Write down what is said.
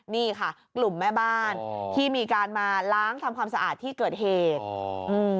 นี่ค่ะกลุ่มแม่บ้านที่มีการมาล้างทำความสะอาดที่เกิดเหตุอืม